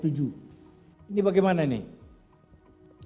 ini bagaimana nih